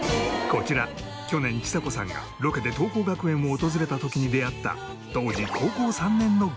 こちら去年ちさ子さんがロケで桐朋学園を訪れた時に出会った当時高校３年の学生さん